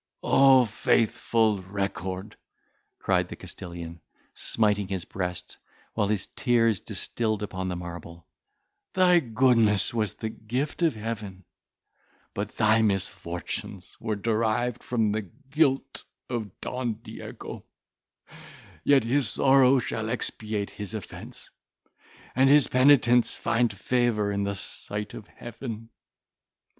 "O faithful record!" cried the Castilian, smiting his breast, while his tears distilled upon the marble, "thy goodness was the gift of Heaven, but thy misfortunes were derived from the guilt of Don Diego; yet his sorrow shall expiate his offence, and his penitence find favour in the sight of Heaven!